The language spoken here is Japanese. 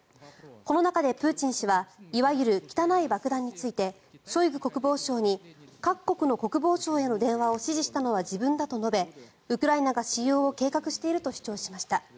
この中でプーチン氏はいわゆる汚い爆弾についてショイグ国防相に各国の国防相への電話を指示したのは自分だと述べウクライナが使用を計画していると主張しました。